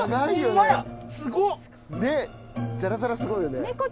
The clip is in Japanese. ねっザラザラすごいよね。